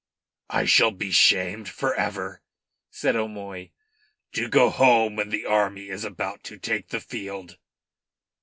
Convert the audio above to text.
"I shall be shamed for ever," said O'Moy. "To go home when the army is about to take the field!"